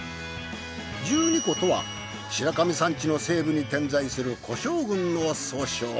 十二湖とは白神山地の西部に点在する湖沼群の総称。